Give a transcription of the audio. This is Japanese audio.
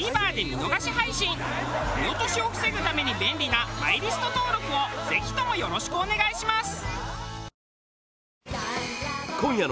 見落としを防ぐために便利なマイリスト登録をぜひともよろしくお願いします。